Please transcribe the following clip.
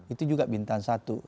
itu juga bintang satu